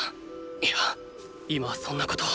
いや今はそんなことを！